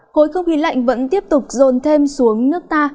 khối không khí lạnh vẫn tiếp tục rồn thêm xuống nước ta